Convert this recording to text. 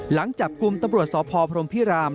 หลังจับกลุ่มตำรวจสพพรมพิราม